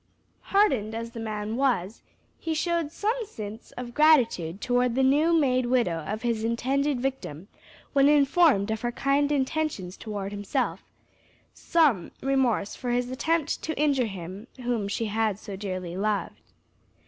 Hardened as the man was, he showed some sense of gratitude toward the new made widow of his intended victim, when informed of her kind intentions toward himself; some remorse for his attempt to injure him whom she had so dearly loved.